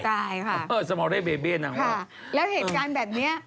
ตายค่ะสมอเรย์เบเบ้นั่นค่ะค่ะแล้วเหตุการณ์แบบนี้